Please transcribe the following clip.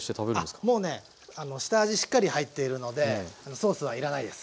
あっもうね下味しっかり入っているのでソースはいらないです。